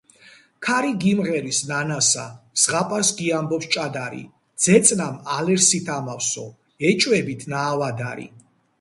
ქარი გიმღერის ნანასა, ზღაპარს გიამბობს ჭადარი... ძეწნამ ალერსით ამავსო ეჭვებით ნაავადარი...